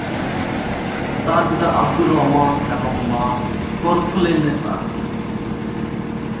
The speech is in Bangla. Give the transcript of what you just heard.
তার পিতা আবদুর রহমান এবং মা কর্ফুলেন্নেসা।